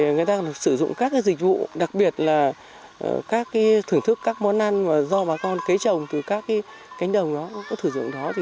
người ta sử dụng các dịch vụ đặc biệt là thưởng thức các món ăn do bà con kế trồng từ các cánh đồng